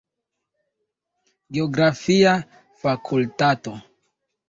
Geografia fakultato.